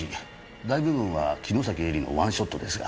大部分は城崎愛梨のワンショットですが。